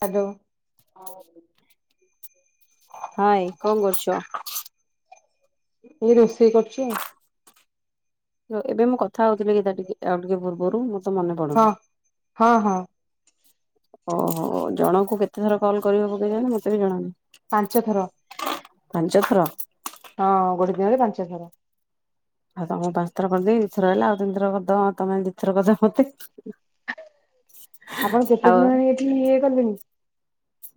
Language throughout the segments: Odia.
ଆ [unintelligible] ହଉ। ହାଏ କଣ କରୁଛ? ଏ ରୋଷେଇ କରୁଛି ଆଉ। ତ ଏବେ ମୁଁ କଥା ହଉଥିଲି କି ଟିକେ ଆଉ ଟିକେ ପୂର୍ବରୁ ତ ମନେ ହଁ ପଡୁନି। ହଁ ହଁ। ଓହୋ ଜଣଙ୍କୁ କେତେ ଥର କଲ୍ କରିବ ହବ କେଜାଣି ମତେ ବି ଜଣାନାହିଁ। ପାଞ୍ଚ ଥର। ପାଞ୍ଚଥର। ହଁ ଗୋଟେ ଦିନରେ ପାଞ୍ଚଥର। ଆଉ ତମକୁ ପାଞ୍ଚ ଥର କରିଦେଇ ଦି ଥର ହେଲା ଆଉ ତିନିଥର କରିଦବ ତମେ ଦିଥର କରିଛ ମତେ ଆପଣ ଆଉ କେତେ ଦିନ ହେଲାଣି ଏଠି ଇଏ କଲେଣି?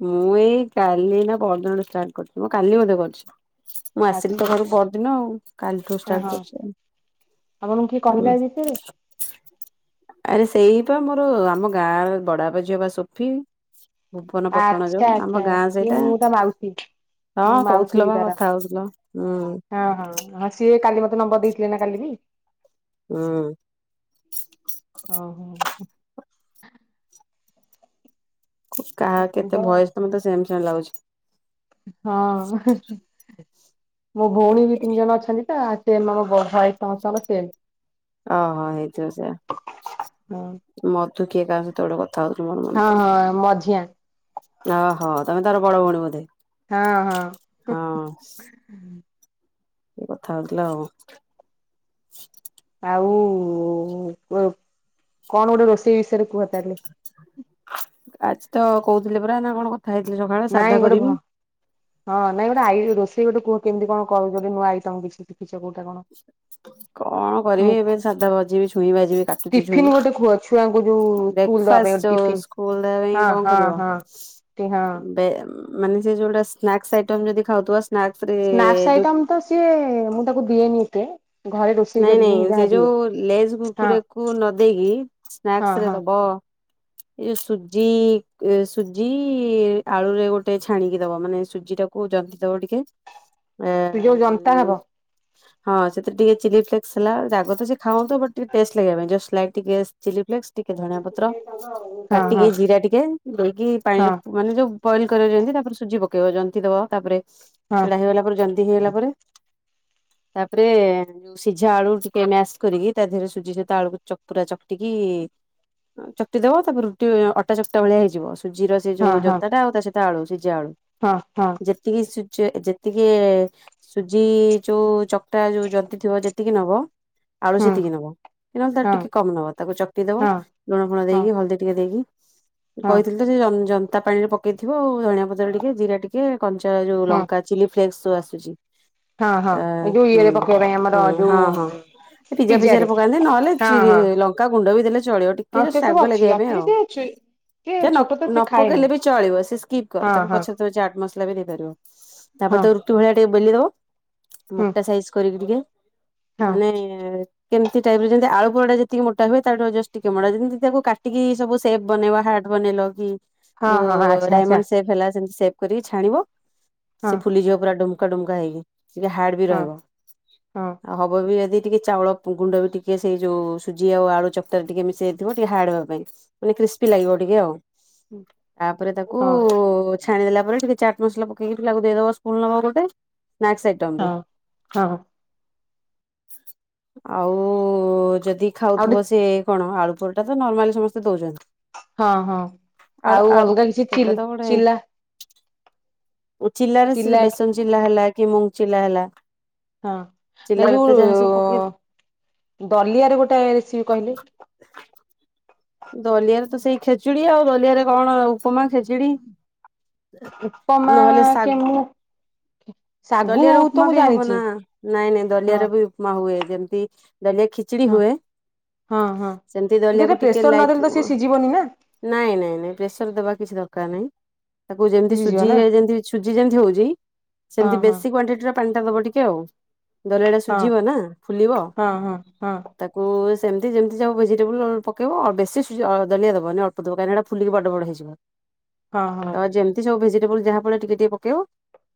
ମୁଁ ଏଇ କାଲି ନା ପହରଦିନଠୁ ଷ୍ଟାର୍ଟ କରୁଛି ମୁଁ କାଲି ବୋଧେ କରିଛି। ମୁଁ ଆସିଲି ଆଚ୍ଛା ତୋ ଘରୁ ପହରଦିନ ଆଉ କାଲିଠୁ ହଁ ଷ୍ଟାର୍ଟ ହଁ କରିଛି ଆଉ। ଆପଣଙ୍କୁ କିଏ ହୁଁ କହିଲା ଏ ବିଷୟରେ? ଆରେ ସେଇ ପା ମୋର ଆମ ଗାଁର ବଡାପା ଝିଅ ବା ସୋଫି। ଭୁବନ ପଟଣା ଯୋଉ ଆଚ୍ଛା ଆମ ଆଚ୍ଛା ଗାଁ ସିଏ ସେଇଟା ମୁଁ ତା ମାଉସୀ ହଁ ମୁଁ ମାଉସୀ କହୁଥିଲ ହେବି ବା ତାର କଥା ହଉଥିଲ ହୁଁ ହଁ ହଁ ହ ସିଏ କାଲି ମୋ ନମ୍ବର ଦେଇଥିଲେ ନା କାଲି ବି। ହୁଁ। ଓ ହୋ। କାହା ଆଉ କୁହ କେତେ ଭଏସ ତ ମୋତେ ସେମ [unintelligible] ଲାଗୁଛି। ହଁ ମୋ ଭଉଣୀ ବି ତିନି ଜଣ ଅଛନ୍ତି ତ ସେମ ଆମ ବଡ ଭାଇ ସମସ୍ତଙ୍କ ସେମ୍ ଓ ହୋ ହେଇଥିବ ହଁ ସେୟା ମ ତୁ କୀୟ କାହାକୁ ତକ ହଁ ହଁ ମଝିଆ। ଓ ହୋ ତମେ ତାର ବଡ ଭଉଣୀ ବୋଧେ? ହଁ ହଁ। କଥା ହଉଥିଲା ଆଉ। ଆଉ କଣ ଗୋଟେ ରୋଷେଇ ବିଷୟରେ କୁହ। [unintelligible] ଆଜି ତ କହୁଥିଲେ ପୁରା ନା କଣ? ହେଇଥିଲେ ସକାଳେ ସାଧା ନାଇଁ ଗୋଟେ ଭ କରିବି। ହଁ ନାଇଁ ଗୋଟେ ଆଇ ରୋଷେଇ ଗୋଟେ କୁହ। କେମିତି କଣ କରୁଛନ୍ତି ନୂଆ ଆଇଟମ କିଛି କିଛି। କଣ ମୁଁ କରିବି ଏବେ ସାଧା ଭାଜିବି। ତୁ ଡାକୁଛି ଟିଫିନ ଜୁଆଇ ଗୋଟେ କୁହ ଛୁଆଙ୍କୁ ଯୋଉ ସ୍କୁଲ ଦେଖ ଦବା ପାଇଁ ଗୋଟେ ଆସିଛୁ ଟିଫିନ ସ୍କୁଲରେ ହଁ କଣ ହଁ କରିବ। ହଁ। ଟି ହଁ ମାନେ ସେ ଯୋଉଟା ସ୍ନାକ୍ସ ଆଇଟମ ଯଦି ଖାଉଥିବା ସ୍ନାକ୍ସ ଆଇଟମ ତ ସିଏ ମୁଁ ତାକୁ ଦିଏନି ଏତେ? ଘରେ ରୋଷେଇ ନାଇଁ କରିକି ହିଁ ନାଇଁ ସେ ଯାହା ଦିଏ ଯୋଉ ଲେଜ ହଁ କୂର୍କୁରେକୁ ନ ଦେଇେଇକି ସ୍ନାକ୍ ହଁ ରେ ହଁ ଦବ ଏ ସୁଜି ସୁଜି ଆଳୁରେ ଗୋଟେ ଛାଣିକି ଦବ ମାନେ ସୁଜି ଟାକୁ ଜତି ଦବ ଟିକେ ଏ ତୁ ଯୋଉ ଜନତା ହବ। ହଁ ସେଥିରେ ଟିକେ [unintelligible] ଲା ଜାଗ ତ ସେ ଖାଉନ୍ତୁ ବଟ ଟିକେ ଟେଷ୍ଟ ଲାଗିବା ପାଇଁ ଜଷ୍ଟ ଫ୍ଲାଇଟ ଟିକେ ଚିଲି ଫ୍ଲେକ୍ସ। ଟିକେ ଧଣିଆ ପତ୍ର ହଁ ହଁ। କାଟିକି ଜିରା ଟିକେ ଦେଇକି ପାଣିରେ ହଁ ମାନେ ଯୋଉ ବଏଲ କରିବ ଯେମିତି ତାପରେ ସୁଜି ପକେଇବ ଜନ୍ତି ଦବ ତାପରେ ହଁ ସେଡା ହେଇଗଲା ପରେ ଜନ୍ଦି ହେଇଗଲା ପରେ ତାପରେ ଯୋଉ ସିଝା ଆଳୁ ଟିକେ ମ୍ୟାସ କରିକି ତା ଦେହରେ ସୁଜି ସହିତ ଆଳୁକୁ ଚକ ପୁରା ଚକଟିକି ଚକଟିଦବା ତାପରେ ରୁଟି ଅଟା ଚକଟା ଭଳିଆ ହେଇଯିବ। ସୁଜିର ସେ ହଁ ଯୋଉ ହଁ ଜନତାଟା ଆଉ ତା ସେ ଆଳୁ ସି ଜାଳୁ ହଁ ହଁ ଯେତିକି ସୁ ଯେତିକି ସୁଜି ଯୋଉ ଚକଟା ଯୋଉ ଯନ୍ତି ଥିବ ଯେତିକି ନବ ଆଳୁ ହୁଁ ସେତିକି ନବ କି ନହେଲେ ତା ଠୁ ହଁ ଟିକେ କମ ନବ ତାକୁ ଚକଟି ଦବ ହଁ ଲୁଣ ଫୁଣ ହଁ। ଦେଇକି ହଳଦୀ ଟିକେ ଦେଇକି ହଁ କହିଥିଲି ତ ସେ ଜନ୍ ଜନ୍ ତା ପାଣିରେ ପକେଇଥିବ ଆଉ ଧଣିଆ ପତ୍ର ଟିକେ ଜିରା ଟିକେ କଞ୍ଚା ଯୋଉ ହଁ ଲଙ୍କା ଚିଲି ଫ୍ଲେକ୍ସ। ଆସୁଛି। ହଁ ହଁ ଏ ଯୋଉ ଏଇ ପକେଇବା ପାଇଁ ଆମର ହଁ ଯୋଉ ହଁ ହଁ ପିଜା ଫିଜାରେ ପିଜାରେ ପକାନ୍ତି ନହେଲେ ହଁ ଚିରି ହଁ ଲଙ୍କା ଗୁଣ୍ଡ ବି ଦେଲେ ଚଳିବ ହଁ ଟିକେ ସେ ଜଷ୍ଟ ସବୁ ରାଗ ଅଛି ଲାଗିବା ପାଇଁ ଅଛି ଯେ ଆଉ ସେ ଛୁ- ସେ ଛୋଟ ତ ନ ସେ ଖାଏନି ପକେଇଲେ ବି ଚଳିବ ସେ ସ୍କିପ୍ କର ହଁ ତାକୁ ହଁ ପଛରେ ତମେ ଚାଟ୍ ମସଲା ଵି ଦେଇ ପାରିବ। ତାପରେ ହଁ ତ ରୁଟି ଭଳିଆ ବେଲିଦବ ହୁଁ ମୋଟା ସାଇଜ କରିକି ଟିକେ ହଁ ମାନେ କେମିତି ଟାଇପର ଯେମିତି ଆଳୁ ପରଟା ଯେତିକି ମୋଟା ହେଇଥିବ ତା ଠୁ ଜଷ୍ଟ ଟିକେ ମଟା, ଯେମିତି ତାକୁ କାଟିକି ସେପ୍ ବନେଇବା ହାର୍ଟ ବନେଇଲ କି ହଁ ହଁ ଯୋଉ ଆଚ୍ଛା ଆଚ୍ଛା ଡାଇମଣ୍ଡ ସେପ୍ ହେଲା ସେଭ୍ କରିକି ଛାଣିବ ହଁ ସେ ଫୁଲି ଝିବ ପୁରା ଡୁମ କାଡୁଗାଇ ଟିକେ ହାର୍ଡ ବି ହଁ ରହିବ। ହଁ ହବ ବି ଯଦି ଟିକେ ଚାଉଳ ଗୁଣ୍ଡ ବି ଟିକେ ସେଇ ଯୋଉ ସୁଜି ଆଉ ଆଳୁ ଚକଟାରେ ଟିକେ ମିଶାଇଥିବ ଟିକେ ହାର୍ଡ଼ ହେବା ପାଇଁ, ମାନେ କ୍ରିସ୍ପି ଲାଗିବ ଟିକେ ଆଉ। ତାପରେ ତାକୁ ହଁ ଛ ଛାଣି ଦେଲା ପରେ ଟିକେ ଚାଟ୍ ମସଲା ପକେଇକି ଟିକେ ତାକୁ ଦେଇଦବ ସ୍ପୁର୍ନ ନବା ଗୋଟେ ସ୍ନାକସ୍ ଆଇଟମ୍ ରେ। ହଁ ହଁ ଆଉ ଯଦି ଯଦି ଆଉ ଗୋଟେ ଖାଉଥିବ ସେ କଣ ଆଳୁ ଓଲଟା ତ ନର୍ମାଲି ସମସ୍ତେ ଦଉଛନ୍ତି। ହଁ ହଁ ଆଳୁ ଆଉ ଆଳୁ ଅଲଗା କିଛି ଚି ସେଟା ତ ଚିଲା ଚିଲ୍ଲାରେ ସେ ଚିଲା ବେସନ ଚିଲ୍ଳା ହେଲା। କି ମୁନ ଚିଲ୍ଲା ହେଲା। ହଁ ନାଇ ଚିଲାରେ ତ ଯାହା ସବୁ ପକେଇ ଯୋଉ ଦଲିଆରେ ଗୋଟେ ରେସିପି କହିଲେ? ଦଲିଆରେ ତ ସେଇ ଖେଚୁଡି ଆଉ ଦଲିଆରେ କଣ ଆଉ। ଉପମା ଖେଚୁଡି ଉପମା ନହେଲେ ଶାଗ କେ ମୁଁ ଶାଗୁ ଦଲିଆରେ ତ ଉପମା ମୁଁ କେମିତି ଜାଣିଛି ବନା ହବ ନା ନାଇଁ ହଁ ଦଲିଆରେ ବି ଉପମା ହୁଏ। ଯେମତି ଦଲିଆ ଖିଚିଡି ହଁ ହୁଏ ହଁ ହଁ ସେମିତି ଯେଟା ଦଳିଆକୁ ଟିକେ ପ୍ରେସର ନାଇଟି ନଦେଲେ ତ ସେ ରୁ ସିଝିବନି ନା ନାଇଁ ନାଇଁ ପେଶିକି ଦବା କିଛି ଦରକାର ନାହିଁ। ତାକୁ ଯେମିତି ସିଝିଯିବ ସୁଜି ନା ଯେମତି ଯେମିତି ହଉଛି। ହଁ ସେମତି ହଁ ବେଶୀ କ୍ୱାଣ୍ଟିଟି ର ପାଣି ଦବ ଟିକେ ଆଉ। ଦଲିଆଟା ହଁ ସୁଝି ହବ ନା ଫୁଲିବ ହଁ ହଁ ହଁ ତାକୁ ସେମିତି ଯେମିତି ତମେ ଭେଜିଟେବୁଲୁ ପ କେ ବେଶୀ ସୁଆଦ ନେଇ ହବନି ଅଳ୍ପ ଟିକେ କାହିଁକି ଏଟା ଫୁଲିକି ବଡ଼ ବଡ଼ ହେଇଯିବ। ହଁ ତ ହଁ ଯେମିତି ସେମିତି ସେ ଯାହାଥିବ ଟିକେ ଟିକେ ପକେଇବ।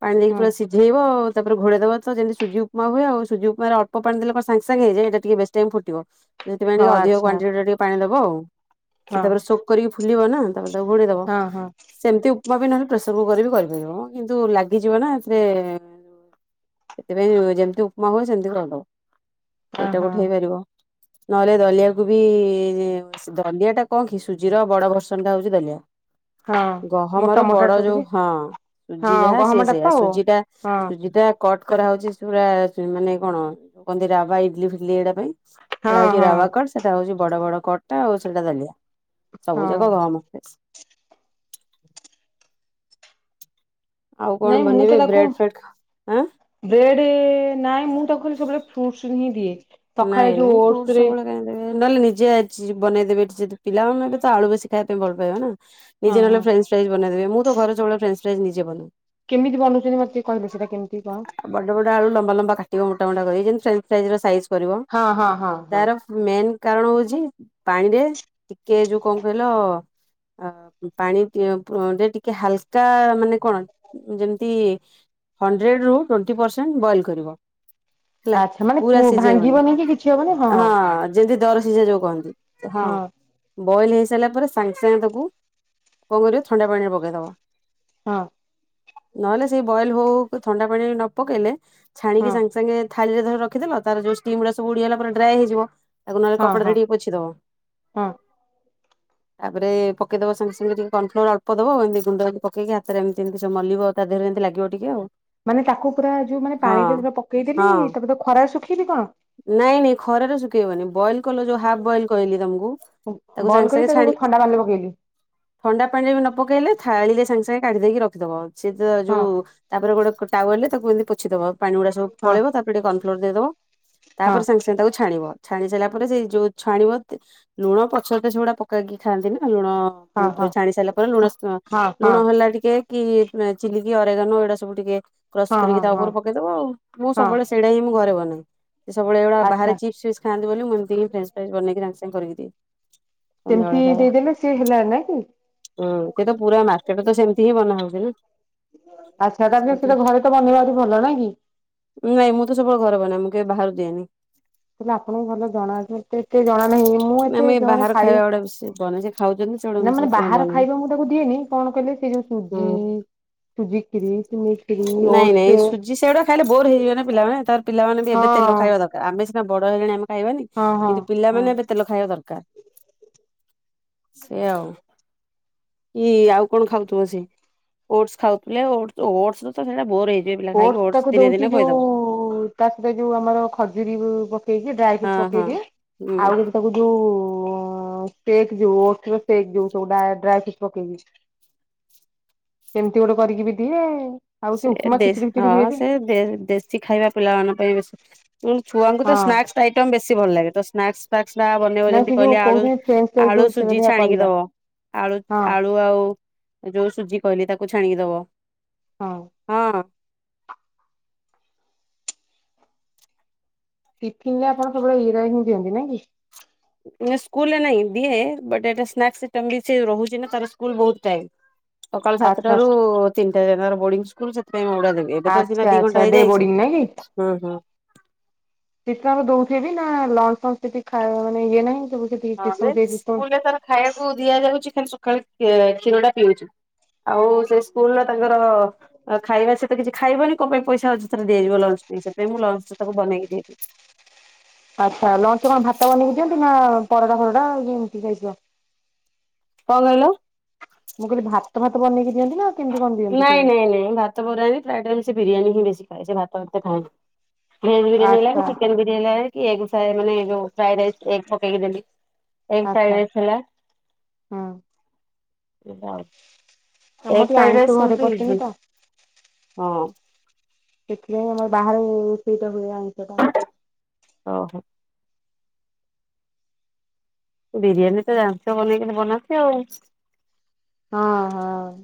ପାଣି ଦେଇକି ହୁଁ ପୁରା ସିଝେଇବ। ତାପରେ ଘୋଡେଦବା ତ ଯେମିତି ସୁଜି ଉପମା ହୁଏ ଆଉ ସୁଜି ଉପମାାରେ ଅଳ୍ପ ପାଣି ଦେଲେ କଣ ସାଙ୍ଗ ସାଙ୍ଗେ ହେଇଯାଏ ଏଟା ଟିକେ ବେଶୀ ଟାଇମ ଫୁଟିବ। ସେଥିପାଇଁ ହଁ କି ଅଧିକ ଆଚ୍ଛା କ୍ୱାଣ୍ଟିଟି ର ଟି ଣିଦବ ଆଉ। ହଁ ସେତେବେଳେ ସୁପ କରିକି ଖୁଲିବ ନା। ତାକୁ ଘୁଡେଇଦବ ହଁ ହଁ ସେମିତି। ଉପମା ବି ନହେଲେ ପ୍ରେସର କୁକୁରରେ ବି କରିଦେବ ମ କିନ୍ତୁ ଲାଗିଯିବ ନା ସେଥିରେ ସେଥିପାଇଁ ଯେମିତି ଉପମା ହୁଏ ସେମିତି କରିଦବ। ଅ ସେଇଟା ହଁ ଉଠେଇ ପାରିବ। ନହେଲେ ଦଳିଆକୁୁ ବି ଦଲିଆ ଟା କଣ କି ସୁଜିର ବଡ ଭର୍ସନ ଟା ହଉଛି ଦଲିଆ ହଁ ଗହମ ମୋଟା ମାନେ ମୋଟା ଟା ଟିକେ ହଁ ଗହମଟା ତ ହଁ ହଁ କଣ କହନ୍ତି ରାବା ଇଡଲି ଫିଟିଲି ଏଇଟା ପାଇଁ ସେଇଟା ହଉଛି ହଁ ରାଓକଡ ସେଟା ହଉଛି ବଡ ବଡ କଟା ଆଉ ସେଟା ଦାଲିଆ ସବୁ ହଁ ଜାକ ଗହମ ପିସ ଆଉ କଣ ନାଇଁ ମୁଁ ତ ବନେଇବେ ତାକୁ ବ୍ରେଡ ଫ୍ରେଡଁ ବ୍ରେଡ ନାଇଁ ମୁଁ ତା କହଲି ସକାଳେ ଫ୍ରୁଟସ ହିଁ ଦିଏ ସକାଳେ ନାଇଁ ଯୋଉ ନାଇଁ ଓଟସ ଫ୍ଲୁଡୁସ୍ ରେ ସବୁବେଳେ କାହିଁଦେବେ ନହେଲେ ନିଜେ ଆଜିଛି ବନେଇଦେବି ଏଠି ଯଦି ପିଲାମାନେ ବିବେ ତ ଆଳୁ ବେସିି ଖାଇବା ପାଇଁ ଭଲ ପାଇବା ନା ନିଜେ ହଁ ନେଲେ ହଁ ଫ୍ରେନସ୍ ପ୍ରାଇଜ ବନେଇ ଦେବେ ମୁଁ ତ ଘରେ ସବୁବେଳେ ଫ୍ରେ ଫ୍ରେଜ ନିଜେ ବନୁ କେମିତି ବନଉଛନ୍ତି ମତେ ଟିକେ କହିବେ ସେଇଟା କେମିତି କଣ ବଡ ବଡ ଆଳୁ ଲମ୍ବା ଲମ୍ବା ଖାଟିବ ମୋଟା ମୋଟା କରି ଯେମତି ଫ୍ରେଞ୍ଚ ଫ୍ରାଇଜ ର ସାଇଜ଼ କରିବ ହଁ ହଁ ହଁ ହଁ ତାର ମେନ୍ କାରଣ ହଉଛି ପାଣିରେ ଟିକେ ଯୋଉ କଣ କହିଲ ପାଣିରେ ଟିକେ ହାଲକା ମାନେ କଣ ଯେମିତି ହଣ୍ଡ୍ରେଡ ରୁ ଟୋଣ୍ଟି ପରସେଣ୍ଟ ବଏଲ କରିବ। ଆଚ୍ଛା ମାନେ ପୁଅ ସିଝେଇ ବଳି ଯେମତି। ଯୋଗନ୍ତି। ହଁ ବଏଲ ହେଇ ସାରିଲ ପରେ ସାଙ୍ଗେ ସାଙ୍ଗେ ତାକୁ କଣ କରିବ ଥଣ୍ଡା ପାଣିରେ ପକେଇଦବା। ହଁ ନହେଲେ ସେ ବଏଲ ହଉ ହଉ। ଥଣ୍ଡା ପାଣିରେ ନ ପକେଇଲେ ଛାଣିକି ହଁ ସାଙ୍ଗେସାଙ୍ଗେ ଥାଳିରେ ଧର ରଖିଦେ ତାର ଯୋଉ ଷ୍ଟିମ ଗୁଡା ସବୁ ଉଡିଗଲା ପରେ ଡ୍ରାଏ ହେଇଯିବ। ତାକୁ ନହେଲେ ହଁ କପଡ଼ାରେ ହଁ ଟିକେ ପୋଛିଦବ। ହଁ ତାପରେ ପକେଦବା ସାଙ୍ଗେ ସାଙ୍ଗେ ଟିକେ କର୍ଣଫ୍ଲୋର ଅଳ୍ପ ଦବ ଏମିତିଗୁଣ୍ଡ ଦବ ହାତରେ ଏମିତିଏମିତି ମଲିବ ତା ଦେହରେମିତି ଲାଗିବ ଟିକେ ଆଉ। ମାନେ ତାକୁ ପୁରା ଯୋଉ ମାନେ ହଁ ପାଣି ଟରେ ପୁରା ପକେଇଦେଲି ହଁ ତାପ ଖରା ସୁ ନାଇଁ ନାଇଁ ଖରାରେ ଶୁଖେଇବନି ବଏଲ କଲ ଯୋଉ ହାଫ ବଏଲ କହିଲି ତମକୁ ତାକୁ ବଏଲ ସାଙ୍ଗେ କରି ସାଙ୍ଗେ ତାକୁ ଛାଣି ଥଣ୍ଡା ପାଣିରେ ପକେଇଲି ଥଣ୍ଡା ପାଣିରେ ବି ନ ପକେଇଲେ ଥାଳିଲେ ସାଙ୍ଗେ ସାଙ୍ଗେ କାଢ଼ି ଦେଇକ ରଖ। ରଖିଦବ ସେ ତ ହଁ ଯୋଉ ତାପରେ ଗୋଟେ କଟା ଗଲେ ତାକୁ ପଛିଦବା ପାଣି ଗୁଡା ସବ ହଁ ପଳ ତାରେ ଟିକେ କନ୍ ନୋଟ୍ ଦେଇଦେବ। ହଁ ତାପରେ ସାଙ୍ଗେ ସାଙ୍ଗେ ତାକୁ ଛାଣିବ। ଛାଣି ସାରିଲା ପରେ ସେଇ ଯୋଉ ଛାଣିବ ଲୁଣ ପଛରେ ତ ସେଗୁଡାକ ପକେଇକି ଖାଆନ୍ତି ନା ଲୁଣ ହଁ ହଁ ଛାଣି ସାରିଲା ପରେ ଲୁଣ। ହଁ ହଁ ହଁ ଲୁଣ ହେଲା ଟିକେ କି ଚିଲିକ କି ଅରେଗନ ଏଇଟା ସବୁ ଟିକେ କ୍ରସ ହଁ କରିକି ହଁ ତା ହଁ ଉପରେ ପକେଇଦବ? ଆଉ ମୁଁ ହଁ ସବୁବେଳେ ସେଇଟା ହିଁ ମୁଁ ଘରେ ବନେ। ସବୁବେଳେ ଏଇଭଳିଆ ବାହାରେ ଆଚ୍ଛା ଚିପ୍ସ ଫିପ୍ସ ଖାଆନ୍ତି ବୋଲି ମୁଁ କିଛି କୁହେନି ତାଙ୍କୁ। ହଁ କରିକି ଦେ। ସେମିତି ସନ୍ଧ୍ୟାବେଳେ ଖାଇବା ଦେଇଦେଲେ ସିଏ ହେଲା ନାଇଁ କି ହଁ ସେ ତ ପୁରା ମାର୍କେଟରେ ତ ସେମତି ହିଁ ବନା ହଉଛି ନା ଆଚ୍ଛା ତାପରେ ସେଟା ଘରେ ତ ବନେଇବା ଆହୁରି ଭଲ ନାଇଁ କି ନାଇଁ ମୁଁ ତ ସବୁବେଳେ ଘରେ ବନାଏ। ଇଏ ବାହାରୁ ଦିଏନି। ହେଲେ ଆପଣଙ୍କୁ ଭଲ ଜଣା ମତେ ଏତେ ଜଣା ନାହିଁ ମୁଁ ଆମେ ଏତେ ବାହାର ଖାଇବା ଗୁଡା ବେଶୀ ବନାଏ ସେ ଖାଉଛନ୍ତି ସେଗୁଡା ନା ମୁଁ ମାନେ ସେଥିପାଇଁ ବାହାର ବନାଏ ଖାଇବା ମୁଁ ତାକୁ ଦିଏନି। କଣ କହିଲେ ସେ ଯୋଉ ହଁ ସୁଜି, ହୁଁ। ସୂଜିଖିରି, ଇ ଟିଲି, ରୁଟି, ନାଇଁ ନାଇଁ ମିଲ୍କ ସୁଜି ସେଗୁଡା ଖାଇଲେ ବୋର ହେଇଯିବେ ନା ପିଲାମାନେ ତାପରେ ପିଲାମାନେ ବି ଏବେ ହଁ। ତେଲ ଖାଇବା ଦରକାର। ଆମେ ସିନା ବଡ଼ ହେଲେଣି ମଃ ଖାଇବାନି ହଁ ହଁ କିନ୍ତୁ ହଁ ପିଲାମାନେ ଏବେ ତେଲ ଖାଇବା ଦରକାର। ସେ ଆଉ କି ଆଉ କଣ ଖାଉଥିବ ସେ ଓଡ଼ସ ଖାଉଥିଲେ ଓଡ଼ସ ବୋର [unintelligible] ଓଡ଼ସ ଓଟସ ଟାକୁ ଦିନେ ଦଉଛି ଦିନେ ଖୋଇଦବ ଯୋଉ ତା ସହିତ ଯୋଉ ମର ଖଜୁରୀ ପକେଇ ଡ୍ରାଇ ହଁ ଫ୍ରୁଟ ପକେଇ ହଁ। ଦିଏ। ହୁଁ ଆଉ ଏ ତାକୁ ଯୋଉ ଉ ଟେକ୍ ଯୋଉ ଯୋଉଟା ଡ୍ରାଇଫ୍ରୁଟ ପକେଇଛି। ସେମିତି କି ଗୋଟେ କରିକିରି ଦିଏ ଆଉ ସେ ଉପମା ଦେସ୍ ଖିଚିଡି ଫିଚିଡି ହଁ। ହୁଏ ବି ସେ ଦେଶୀ ଖାଇବା ପିଲାମାନଙ୍କ ପାଇଁ ବେଶୀ ଉଁ ଛୁଆଙ୍କୁ ତ ହଁ ସ୍ନାକ୍ସ ଆଇଟମ ବେଶୀ ଭଲ ଲାଗେ ତ- ନାକ୍ସ ପାର୍ଟ ବନେଇବ ନାଇଁ ଯେମିତି ସେ ଯୋଉ କହିଲେ ଆଳୁ! କହୁଛନ୍ତି ଫ୍ରେଞ୍ଚ ଫ୍ରାଇଜ ଆଳୁ ଯୋଉ ସେ ସୁଜି ବୋଧେ ଛାଣିକି କରିବା ଦବ? ଆଳୁ ହଁ ଆଳୁ ଆଉ [inaudible] ଯୋଉ ସୁଜି କହିଲି ତାକୁ ଛାଣିକି ଦବ। ହଁ ହଁ? ଟିଫିନ୍ ରେ ଆପଣ ସବୁବେଳେ ଏଇରା ହ୍ନି ଦିଅନ୍ତି। ନାଁ କି? ଇଏ ସ୍କୁଲ ରେ ନାଇଁ। ଦିଏ ବଟ୍ ଏଟା ସ୍ନାକସ୍ ଆଇଟମ୍ ରଉଛି ନା ତାର ସ୍କୁଲ ବୋହୁତ ଟାଇମ୍। ସକାଳୁ ସାତଟ ଆଚ୍ଛା ରାରୁ ତିନିଟା ଯାର ବୋର୍ଡିଙ୍ଗ ସ୍କୁଲ ସେଥିପାଇଁ [unintelligible] ଦେବି। ଏବେ ତ ସିନା ଆଚ୍ଛା ଦି ଆଚ୍ଛା ଘଣ୍ଟା ଡେ ହେଇଯାଇଛି ବୋର୍ଡିଂ ହଁ ହଁ। ଟିକେ ଅବା ଦୋଉଥିବି ନା ଲଞ୍ଚ ଫଞ୍ଚ କିଛି ଖାଇମନେ ଇଏ ନାହିଁ। ସବୁ ସେଠି ହଁ ସିଷ୍ଟମ ସେଇ ସିଷ୍ଟମ ସ୍କୁଲରେ ତାର ଖାଇବାକୁ ଦିଆଯାଉଛି। ଖା କ୍ଷୀର ଟା ପିଉଛୁ ଆଉ ସେ ସ୍କୁଲ ର ତାଙ୍କର ଖାଇବା ସହିତ କିଛି ଖାଇବନି କୋ ପାଇଁ ପଇସା ଅଯଥରେ ଦିଆଯିବ ଲଞ୍ଚ ପାଇଁ ସେଥିପାଇ ମୁଁ ଲଞ୍ଚ ତାକୁ ବନେଇକି ଦେଇଦିଏ। ଆଚ୍ଛା ଲଞ୍ଚେ କଣ ଭାତ ବନେଇକି ଦିଅନ୍ତି ନା ପରଡା ଫରା ନା ଏମିତି ଖାଇବା। କଣ କହିଲ। ମୁଁ କହିଲି ଭାତ ଫାତ ବନେଇକି। ଦିଅନ୍ତି ନା କେମିତି କଣ ଦିଅନ୍ତି ନାଇଁ ସବୁ? ନାଇଁ ନାଇଁ ଭାତ ବରା ପ୍ରାୟ ଟାଇମ ସେ ବିରିୟାନୀ। ବେଶି ଖାଏ ସେ ଭାତ ଏତେ ଖାଇନା । ଭେଜ ବିିରିୟାନି ହେଲା ଆଚ୍ଛା କି ଚିକେନ ବିିରିୟାନି ହେଲା । କିଏ ମାନେ ଫ୍ରାଇ ରାଇସ ପକେଇକି ଦେଲି। ଏକ ଆଚ୍ଛା ସାଇଡରେ ଥିଲା। ହୁଁ ଏ ଆମ ଟିକେ ଆଇଁଠୁ ଘରେ ପସେନି ତ ହଁ। ସେଥିପାଇଁ ଆମର ବାହାରେ ସେ ଭ ଆଣଟା ଓହୋ ବିରିୟାନୀ, ତ ଜାଣିଛ୲ ବନେଇ କି, କେମିତି ବନାନ୍ତି, ଆଉ ହଁ, ହଁ-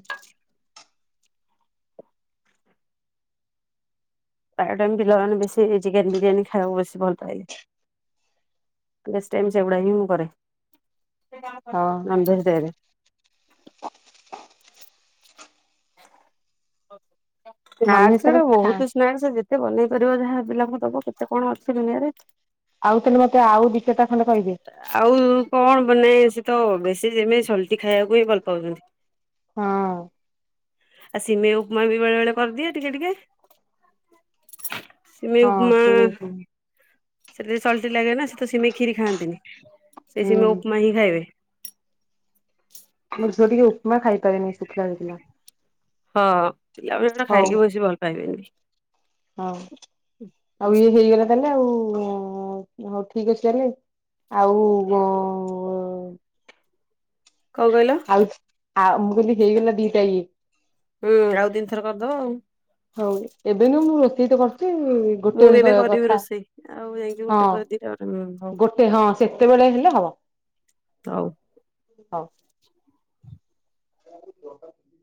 ପ୍ରାଏ, ଟାଇମ୍ ପିଲାମାନେ, ବେଶୀ ଚିକେନ ବିରିୟାନୀ ଖାଇବାକୁ, ବେଶୀ ଭଲ ପାଇବେ ୲ବେଶୀ ଟାଇମ୍, ସେଗୁଡା ହି, ମୁଁ କରେ। ହଁ ନମ ଦୁ ହ ଦେରେ [inaudible] ଓ ହ ନନଭେଜ ସ୍ନାକ୍ସ, ଗୁଡା ତାହେଲେ ଖା ବହୁତ, ସ୍ନାକ୍ସ ଯେ କେତେ ବନେଇ ପାରିବ ଯାହା, ପିଲାଙ୍କୁ ଦବ ୲କେତେ କଣ, ଅଛି ଦୁନିଆରେ। ଆଉ ତାହେଲେ, ମତେ ଆଉ ଦି, ଚାରିଟା ଖଣ୍ଡେ କହିବେ। ଆଉ କଣ, ବନେଇ ଆସେ? ତ ବେଶୀ ଯେମିତି, ସଲଟି ଖାଇବାକୁ ହିଁ, ଭଲ ପାଉଛନ୍ତି। ହଁ, ଆଉ ସିମେଇ, ଉପମା ବି ବେଳେ, ବେଳେ କରିଦିଏ ଟିକେ, ଟିକେ ୲ ସିମେଇ ହଁ ଉପମା, ସେମିତି ହୁଁ ସେଟା ଟିକେ ସଲ୍ଟି ଲାଗେ ନା, ସେ ତ ସିମେଇ କ୍ଷୀରି, ଖାଆନ୍ତିନି ୲ସେ ସିମେଇ, ଖାଇବେ। ମୋ ଝିଅ ଟିକେ, ଉପମା ଖାଇପାରେନି, ଶୁଖିଲା, ଶୁଖିଲା ୲ ହଁ, ପିଆଜ ଗୁଡା, ଖାଇକି ବେଶୀ ଭଲ ପାଇବେନି। ହଁ। ହଁ, ହଉ ଠିକ ଅଛି ତାହେଲେ, ଆଉ କଣ, କହିଲ? ଆ, ମୁ କହିଲି, ହେଇଗଲା ଦୀଟା, ଇଏ ହୁଁ, ଆଉ ତିନି ଥର କରିଦବା, ଆଉ। ହଉ, ଏବେ ବି ମୁଁ, ରୋଷେଇ ତ କରୁ ଉଁ, ମୁଁ ଗୋଟେ ବି ବେଳେ ଏବେ କରିବା କରିବି କଥା ରୋଷେଇ ଆଉ ଯାଇକି ଗୋଟେ ୲ହଁ, ପରେ ଦିଟା ପରେ ହୁଁ ହଉ ଗୋଟେ ହଁ, ସେତେବେଳେ ହେଲେ, ହବ। ହଉ। ହଉ, ଆ [unintelligible]